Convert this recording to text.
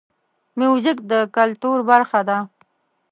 موزیک د کلتور برخه ده.